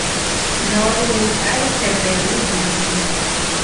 Nor would I have a reason to.